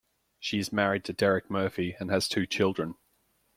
She is married to Derek Murphy and has two children.